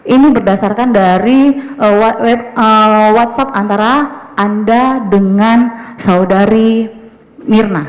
ini berdasarkan dari whatsapp antara anda dengan saudari mirna